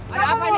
ada apa ini